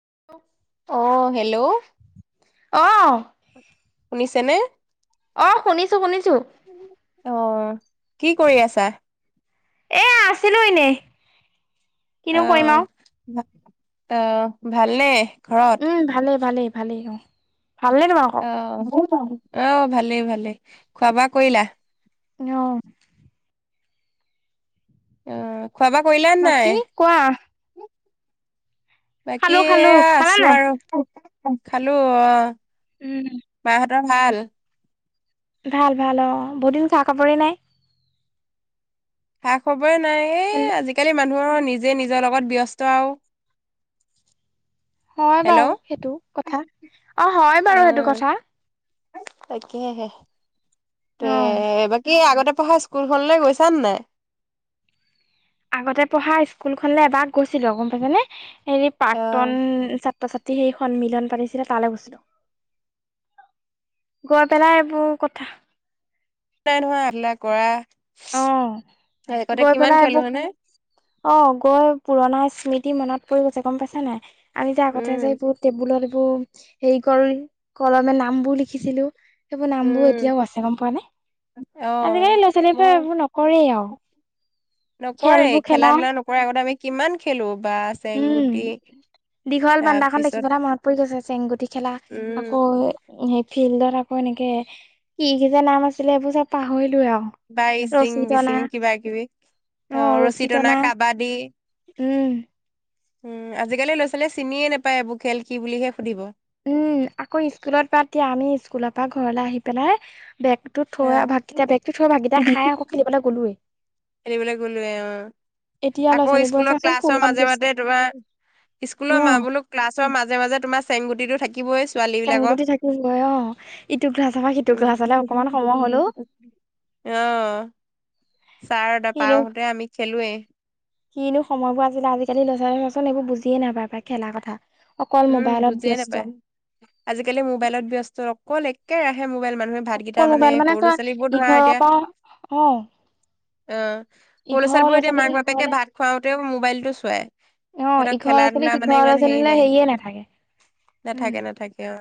[inaudible] আহ হেল্ল'। অ'। শুনিছেনে? অ', শুনিছো শুনিছো। চু অ',। কি কৰি আছা? এ আছিলো এনেই। কিনো কৰিম অহ। আৰু অহ, ভালেই। উম ভালে ভালে। ভালেই অহ। ভালেই তোমাৰ আকৌ। অ ভালেই ভালেই খোৱা বোৱা কৰিলা? আহ [inaudible] অহ। খোৱা বোৱা কৰিলান নাই? বাকী কোৱা বাকী খালো খালো এইয়া খালা আছোঁ নাই আৰু। অ খালো অহ। উম। ৰ ভাল? ভাল ভাল অ বহুত দিন খা খবৰেই নাই? হা খব [inaudible] একোয়ে নাই এই আজিকালি। মানুহৰ নিজে নিজৰ লগত ব্যস্ত আৰু।। হয় হেল্ল' বাৰু অ সেইটো কথা অ হয় বাৰু সেইটো কথা। তাকে হে। তে অ বাকী আগতে।। পঢ়া স্কুলখনলে গৈছান নাই? আগতে পঢ়া স্কুলখনলে এবাৰ গৈছিলো গম পাইছানে? হেৰি অ প্ৰাক্তন ছা।। ছাত্ৰ ছাত্ৰী সেই সন্মিলন পাতিছিলে তালৈ গৈছিলো। গৈ পেলাই এইবোৰ কথা।। কোনে ধৰা আহিলে কৰা। অ আগতে গৈ কিমান পেলাই খেলো হয়নে? এইবোৰ অ গৈ পুৰণা স্কুল।। স্মৃতি মনত পৰি গৈছে গম পাইছা নাই? আমি যে আগতে যে উম, সেই বোৰ টেবুলত।। উ হেৰি কৰি কলমে নাম বোৰ লিখিছিলোঁ। সেইবোৰ নামবোৰ উম, এতিয়াও আছে। গম পোৱা নে? আজিকালি অ', ল'ৰা ছোৱালী বোৰে মই এইবোৰ নক।। কৰে আৰু নকৰে খেলবোৰ খেলা। ধূলা নকৰে আগতে আমি কিমান খেলো। বা উম চেংগুটি দীঘল বাৰান্দাখন দেখি তাৰপিছত পেলাই মনত পৰি গৈছে চেংগুটি খেলা উম, আকৌ হে।। ফিল্ডত আকৌ এনেকে কি কি যে নাম আছিলে। এইবোৰ চব পাহৰিলোৱে আৰু কিবা ইচিং ৰছী টনা বিচিং কিবা কিবি অ ৰছী টনা কাবাদী উম। উম আজিকালি ল' ছোৱালীয়ে চিনিয়ে নাপায় এইবোৰ খেল কি বুলিহে সুধিব উম আকৌ স্কুলত বাদ দি আমি স্কুলৰ পৰা ঘৰলে আহি পেলাই বেগতো থোৱা আহ ভাতকেইটা বেগটো থৈ ভাতকেইটা খাই আকৌ খেলিবলৈ গ'লোৱেই খেলিবলৈ গলোৱে অ এতিয়া ল'ৰা আকৌ ছোৱালীবোৰ স্কুলৰ চাচোন ক্লাছৰ ফোনত মাজে ব্যস্ত মাজে তোমাৰ অ স্কুলৰ ম বোলো ক্লাছৰ মাজে মাজে তোমাৰ চেংগুটিটো থাকি চেংগুটি থাকিবই অ ইটো ক্লাছ পা সিটো উম, ক্লাছলৈ অকমান সময় হলেও অ'। ছাৰ কিনো নাপাওঁতেই আমি খেলোৱেই কিনো সময়বোৰ আছিলে আজিকালি ল'ৰাছালী চাচোন এইবোৰ বুজিয়ে নাপায় খেলা কথা অকল উম মোবাইলত বুজিয়ে ব্যস্ত নাপায় আজিকালি মোবাইলত ব্যস্ত অকল এক কেৰাহে মোবাইল মানুহে ভাতকেইটা অকল মোবাইল মানে সৰু ল'ৰা তোৱা ছোৱালীবোৰ ধৰা ইঘৰৰ এতিয়া পৰা অ অ সৰু ইঘৰৰ ল'ৰা লৰাছোৱালীবোৰ এতিয়া ছোৱালী মাক বাপেকে সিঘৰলে ভাত খুৱওঁতেও মোবাইলটো চোৱাই অ সিহঁতক ইঘৰৰ খেলা লৰাছোৱালী ধূলা সি মানে ঘৰৰ ইমান হেৰি লৰাচলিলে নাই হেৰিয়ে উম নাথাকে নাথাকে অ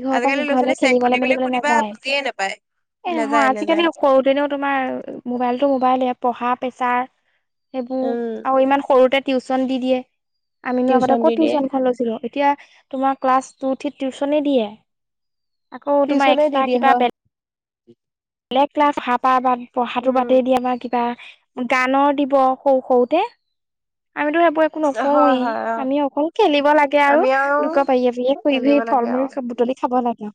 ইঘৰৰ পৰা আজিকালি ল'ৰা ছোৱালী সিঘৰলৈ চেক খেলিবলে দি বুলি মেলিবলৈ সুধিবা নাযায় বুজিয়ে নাপায় এ নহয় নাযায় আজিকালি নাযায় সৰু দিনেও তোমাৰ মোবাইলতটো মোবাইল এপ পঢ়া পেছাৰ সেইবোৰ উম আৰু ইমান ততে টিউশন দি দিয়ে আমিনো আগতে টিউচন দি ক'ত দিয়ে টিউচনখন লৈছিলো এতিয়া তোমাৰ ক্লাছ টু থ্ৰিত টিউচনে দিয়ে আকৌ তোমাৰ টিউচনে দি এক্সট্ৰা দিয়ে কিবা হয় বেল বেলেগ ক্লাছ খাপাহাৰ পঢ়াটো উম বদে দিয়া আমাৰ কিবা গানৰ দিব সৰু সৰুতে আমিতো সেইবোৰ একো হয় নকওঁৱেই হয় অ আমি অকল খেলিব লাগে আৰু লোকৰ বাৰীয়ে বাৰীয়ে ঘুৰি খেলিব ঘুৰি লাগে ফল মূল আৰু চব বুটলি খাব লাগে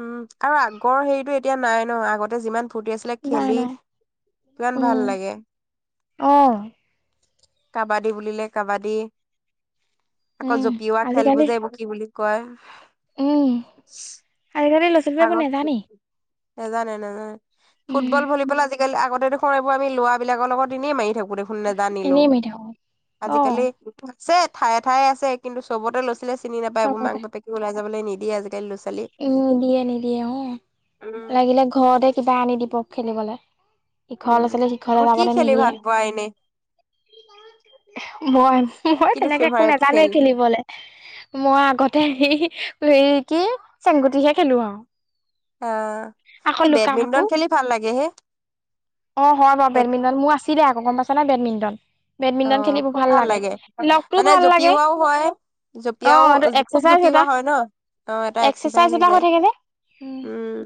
উম আৰু আগৰ হেৰিটো এতিয়া নাই ন আগতে যিমান ফুুৰ্তি আছিলে নাই খেলি নাই কিমান ভাল উম লাগে অ কাবাডী বুলিলে কাবাডী আকৌ উম জপিওৱা আজিকালি খেলবোৰ যে এই বো কি বুলি কয় উম আজিকালিৰ লৰাচোৱালীৰ বাবু একো নাজানে নাজানে নাজা ফুটবল, ভলিবল আজ আগতে দেখোন এইবুৰ আমি লৰাবিলাকৰ লগত এনেই মাৰি থাকো। ফুনা নাজানিলো এনেই মাৰি থাকো অ আজিকালি ছে ঠায়ে-ঠায়ে আছে কিন্তু চবতে লৈছিলে চিনি নায়াই মাক চবতে বাপেকে ওলাজাবলৈ নিদি দি আজিকাল উম, দিয়ে ন দিয় অ, উম, লাগিলে ঘতে কিবা আনি দীপক খেলিবলৈ ইঘৰ ল'ৰা, উম, ছোৱালী সিখৰলৈ মই কি যাবলৈ খেলি নিদিয়ে, ভাল পোৱা এনে? মই-মই কিটো তেনেকে একো ফেভাৰেট নাজানোৱে খেল? খেলিবলে, মই আগতে সি হেৰি কি চেংগটিহে খেলো আৰু। আহ, আকৌ এই লুকা-ভাকু বেডমিন্টন খেলি ভাল লাগে হে। অ', হয় বাৰু বেডমিন্টন মোৰ আছিলে আকৌ গম পাইছ নে বেডমিণ্টন অ খুব ভাল লাগে, লগটোও মানে ভাল লাগে জপিওৱাও হয়, অ এইটো জঁপিয়াও-খুব-জপিওা হয় ন অ ', এটা এক্সাৰচাইজ চেচা-চতা হৈ যায় থাকে যে উম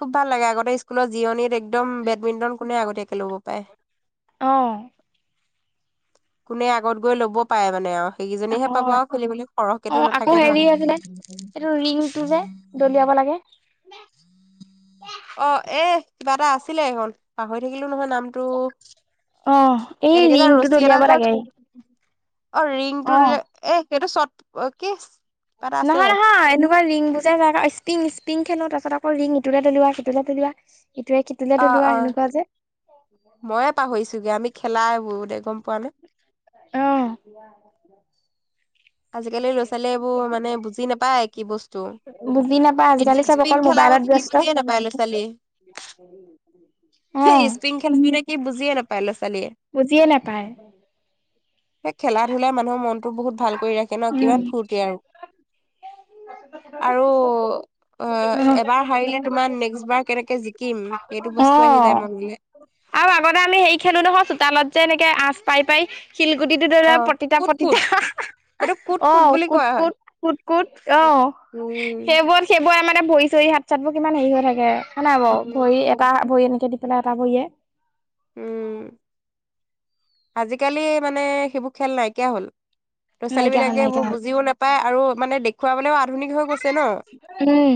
খুব ভাল লাগে আগতে স্কুলত জিৰণিৰ এক একদম বেডমিটন কোনে আগতে এক ল পায় অ। কোনে আগত গৈ ল'ব পাৰে মানে আৰু। সেইকেইজনীহে পাব হয়, আৰু খেলিবলৈ সৰহকেতো অ, আকৌ নাথাকে ধৰা হেৰি আছিলে এইটো ৰিংটো যে দলিয়াব লাগে? অ। অ, এ, কিবা এটা আছিলে হল পাহৰি থাকিলে নহয় নামটো, অ'। এই এনেকে যোৰ ৰিংটো ৰছী দলিয়াব এডাল যে লাগে, অ', ৰিংটো অ'। দিললে এ সেইটো চত, কি কিবা এটা আছিলে নহয়, নহয় এনেকুৱা লৰিং যে, স্পিং-স্পিং খেলো, তাৰপাচত আকৌ ৰিং ইটোলৈ দলিওৱ সটো লৈ দলিওৱা ইটোৱে সিটোলে অ', দলিওৱা অ, সেনেকুৱা যে। ময়ে পাহৰিছোগৈ আমি খেলাই বহুত একদম আহ আজিকালি ল'ৰা ছোৱালী এইবোৰ মানে বুজি নাপায় কি বস্তু বুজি নাপায় আজিকালি এতিয়া চব অকল স্পিং খেলা মোবাইলত মানে কি ব্যস্ত। বুজিয়ে নাপায় ল'ৰা ছোৱালী অ', স্পিং খেলা ম কি বুজি নাপাই ল'ৰা ছোৱালীয়ে। বুজিয়ে নাপায় সেই খেলা ধূলাই মানুহৰ মনটো টো বহুত ভাল কৰি ৰাখে ন উম। কিমান ফূুৰৰ্তি আৰু আৰু অ এবাৰ হাৰিলে তোমাৰ নেক্সট বাৰ কেনেকে জিকিম সেইটো বস্তু আহি যায় অ'। মনলে আৰু আগতে আমি হেৰি খেলো নহয় চোতালত যে এনেকে আঁচ পাৰি পাৰি শিলগুটিটোৰ অ দৰোৰ প্ৰতিতা কুট প্ৰতি কুট সেইটো কুট [inaudible] অ কুট বুলি কোট কোৱা হয়। কোট কোট কোট অ উম। সেইবোৰ সেইবোৰ আমাৰ এয়া ভৰি চৰি হাত চাত বোৰ কিমান হেৰি হৈ থাকে হ নাই বাৰ ভৰি এটা উম ভৰি এনেকে দি ইফালে এটা ভৰিয়ে। আজিকালি মানে সেইবোৰ খেল নাইকিয়া হ'ল। ল'ৰা ছোৱালী নাইকিয়া হ'ল বিলাকে নাইকিয়া এইবোৰ হ'ল বুজিও নাপায় আৰু মানে দেখুৱাবলৈও আধুনিক হৈ গৈছে ন উম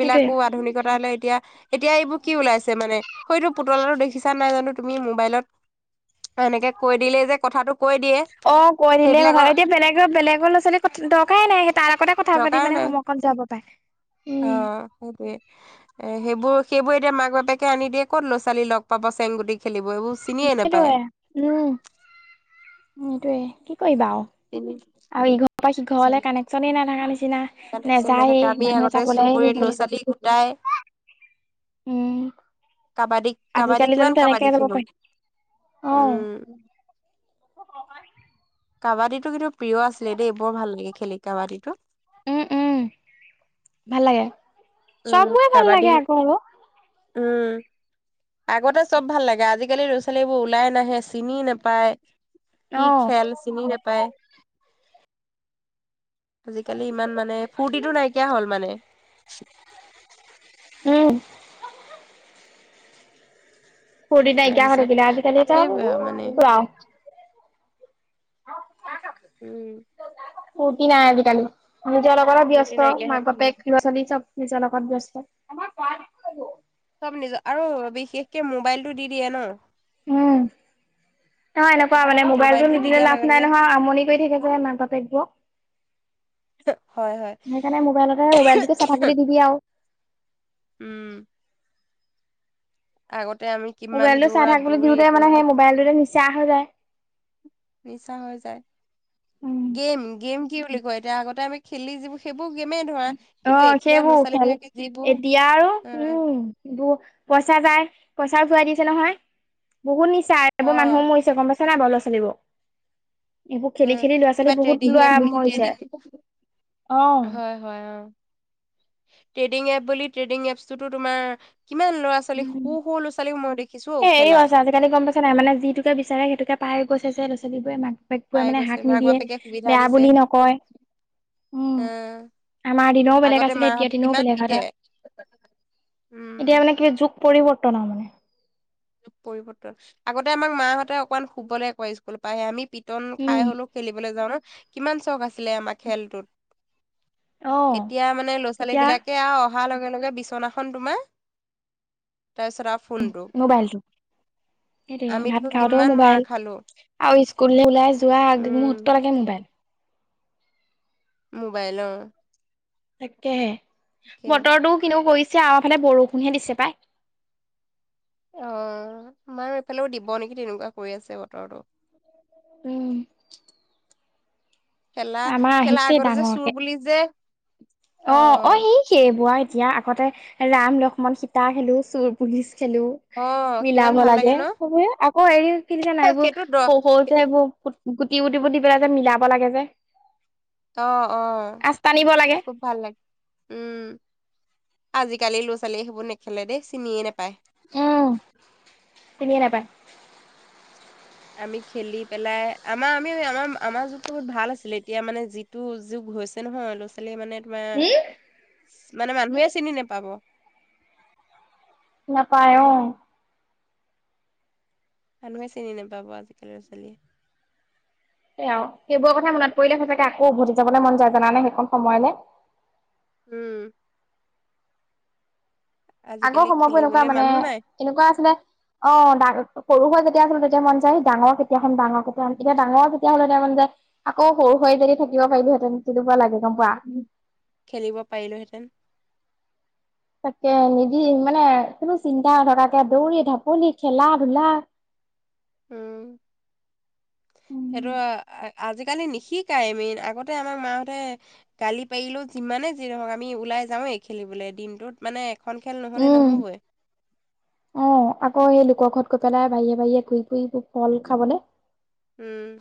সেইটোয়ে। আধুনিকতা হ'লে এতিয়া এতিয়া এইবোৰ কি ওলাইছে মানে সেইতো পুতলাটো দেখিছা নাই জানো তুমি মোবাইলত এনেকে কৈ দিলেই যে কথাটো কৈ দিয়ে অ' কৈ দিলে কথা সেইবিলাকৰ এতিয়া বেলেগৰ বেলেগৰ ল'ৰা ছোৱালী দৰকাৰেই নাই সেই তাৰ লগতে কথা পাতি দৰকাৰ মানে নাই সময় কণ যাব পাৰে অ উম সেইটোৱে এ সেইবোৰ সেইবোৰ এতিয়া মাক বাপ বাপেকে আনি দিয়ে ক'ত ল'ৰা ছোৱালী লগ পাব চেংগুট খেলিব এইবোৰ চিনিয়ে নাপায় সেইটোয়ে উম উ এইটোয়ে কি কৰিবা চিনি আৰু এই ঘৰ পাইচ ঘৰলে কানেকশ্যনে নাথকা নিচিনা কানেকচন নেযায় নাথাকে আমি মানুহে আগতে যাবলৈহে চুবুৰীত ল'ৰা নিদিয়ে ছোৱালী গোটাই উম কাবাডী কাবাডী আজিকালি জানো কিমান তেনেকে কাবাডী ল'ব খেলো পাৰি অ উম কাবাডীটো কিন্তু প্ৰিয় আছিলে দেই বৰ ভাল লাগে খেলি কাবাডীটো উম উম ভাল লাগে উম চব বোৰে ভাল কাবাডী লাগে আকৌ আৰু উম আগতে চব ভাল লাগে আজিকালি ল'ৰা ছোৱালীবোৰ ওলাই নাহে চিনি নাপায়। কি অ খেল চিনি নাপায়। আজিকালি ইমান মানে ফূৰ্তিটো নাইকিয়া হ'ল মানে [inaudible] উমহ হৈ তাৰপিছত থাকিলে আজিকালি তাকে আৰু মানে অ উম ফূটি নাই আজিকালি নিজ লগতে ফূৰ্তি বেস্ত নাইকিয়া হ'ল মাক-বাপেক ল'ৰা ছোৱালী চ'ব। নিজৰ লগত ব্যস্ত আমাৰ নিজ আৰু বিশেষকে মোবাইল টো দি দিয়ে ন উম নহ এনেকুৱা মানে মোবাইলটো দি নিদিলে দিয়াৰ লাভ লগে নাই লগে নহয় আমনি কৰি থাকে যে মাক বাপেকবোৰক হয় হয় সেইকাৰণে মোবাইলতে মোবাইলটোকে চাই থাক বুলি দি দিয়ে আৰু উম আগত মোবাইলটো চাই থাক দিওঁতে মানে সেই মোবাইলটোতে নিচা হৈ যায় মিছা হৈ যায় গেম-গেম কি বুলি কয় এতিয়া আগতে আমি খেলি যিবোৰ সেই অ, সেইবোৰ খেল বিলাকে যিবোৰ এতিয়া অ আৰু উম পইচা যায় পইচাও চৰাই দিছে নহয় বহুত নিচ চাৰে এইবোৰ অ মানু মৰিছে গম পাইছ নাই বল লিব উ কিবা ট্ৰেডিং মৰিছে। অ'। হয়-হয় অ- ট্ৰেডিং এপ বুলি ট্ৰেডিং এপতো তোমাৰ কিমান ল'ৰা ছোৱালী উম। সু-সু ল'ৰা ছোৱালীক মই দেখিছো এ হেৰি খেলা হৈছে আজিকালি গম পাইছা নাই মানে যিটোকে বিচাৰে সেইটোকে পাই গৈছে লৰা ছোৱালীবোৰে মাক [unintelligible] পাই মানে গৈছে হাক মাক নিদিয়ে বাপেকে সুবিধা বেয়া দিছে। বুলি নকয় উম অ', আমাৰ দিনেও বেলেগ আগতে আছিলে, এতিয় মাহঁতে দিনও কিমান বেলেগ পিতে এটা এতিয়া উম, মানে চুখ পৰি প ন মানে পৰিৱৰ্তন আগতে আমাক মাহঁতে অকমান শুবলৈ কয় স্কুল পায়ে আমি পি [unintelligible] ৰ্তন উম, খাই হলেও খেলিবলৈ যাওঁ ন কিমান চখ আছিলে আমাৰ খেলটোত অ'। এতিয়া মানে ল'ৰা ছোৱালী এতিয়া বিলাকে আৰু অহা লগে-লগে বিচনাখনন তোমাৰ তাৰপিছত আৰু ফোনটো মোবাইলটো সেইটোৱে আমিতো ভাত খাওঁতেও কিমান মাৰ মোবাইল খালো আৰু স্কুললৈ ওলাই যোৱা উম। মুহূত্ত লকে মোবাইল মোবাইলৰ তাকেহে বতৰটোও কিনও কৰিছ আমাৰ ফালে বৰষুণহে দিছে পাই অ, [unintelligible] এইফালেও দিব নেকি তেনেকুৱা কৰি আছে বতৰটো উম আমাৰ খেলা-খেলা আগৰ যে চুৰ বুলি যে অ অ-অ সি সেই বোৱা এতিয়া আগতে ৰাম লক্ষ্মণ সীতা হেলো চুৰ পুলিচ খেলো অ কিমান মিলাব ভাল লাগে ন সবে আকৌ হেৰি কিনি জানাই এইবোৰ সেইটো দ শ সৰু যে এইবোৰ গুটি [unintelligible] দি পেলাই যে মিলাব লাগে যে অ অ আচ টানিব লাগে খুব ভাল লাগ- উম আজিকালি ল'ৰা ছোৱালীয়ে সেইবোৰ নেখেলে দেই চিনিয়ে নেপায় উম চিনিয়ে নাপায় আমি খেলি পেলাই আমাৰ আমি আমাৰ আমাৰ যুগটো বহুত ভাল আছিলে এতিয়া মানে যিটো যুগ হৈছে নহয় ল'ৰা ছোৱালীয়ে মানে মানে হম মানে মানুহে চিনি নেপাব নাপায় অ মানুহে চিনি নাপাব, আজিকালি ল'ৰা ছোৱালীয়ে। সেয়া আৰু, সেইবোৰৰ কথা মনত পৰিলে সচাঁকে আকৌ উভতি যাবলৈ মন যায় জানানে সেইকন সময়লে। উম। আগৰ আজিকালি সময়বোৰ এনেকুৱা খেলিবলে মানে, মানুহ নাই এনেকুৱা আছিলে অ। [unintelligible] সৰু হৈ যেতিয়া আছিলো তেতিয়া মন যায়, ডাঙৰ কেতিয়া হম। ডাঙৰ কেতিয়া হম। এতিয়া ডাঙৰ যেতিয়া হলো তেতিয়া মন যায়, আকৌ সৰু হৈ যদি থাকিব পাৰিলোহেঁতেন? তেনেকুৱা লাগে গম পোৱা। উম, খেলিব পাৰিলোহেঁতেন? তাকে নিদি মানে কোনো চিন্তা নথকাকে দৌৰি ঢাপলি, খেলা ধূলা। উম, সেইটো-আজিকালি নিশিকাই মিন আগতে আমাক মাহঁতে গালি পাৰিলেও যিমানে যি নহওঁক আমি ওলাই যাওৱেই খেলিবলে। দিনটোত মানে? এখন খেল নহ'লে উম, নহ'বই। অ', আকৌ সেই লোকৰ ঘৰত গৈ পেলাই। বাৰীয়ে বাৰীয়ে, ঘূৰি ফুৰি [unintelligible] ফল খাবলে। উম।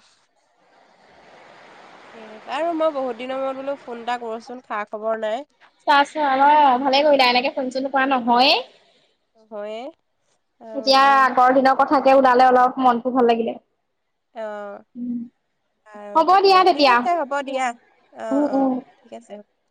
এ বাৰু মই বহুত দিনৰ মূৰত বোলো ফোন এটা কৰোচোন, খা খবৰ নাই? তাৰপিছত [unintelligible] অ ভালেই কৰিলা, এনেকে ফোন চোন কৰা নহয়েই। নহয়ে আৰু এতিয়া বোলো আগৰ দিনৰ কথাকে ওলালে অলপ মন [unintelligible] ভাল লাগে অ', আৰু হ'ব দিয়া তেতিয়া ঠিক আছে হ'ব দিয়া। অ', উম অ', উম। ঠিক আছে অ'।